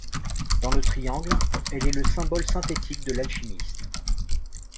Dans le triangle, elle est le symbole synthétique de l'alchimiste.